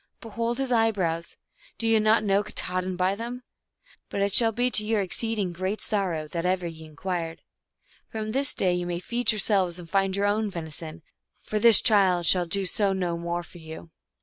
Behold his eyebrows ; do ye not know Katahdin by them ? But it shall be to your exceed ing great sorrow that ever ye inquired. From this day ye may feed yourselves and find your own veni son, for this child shall do so no more for you." THUNDER STORIES.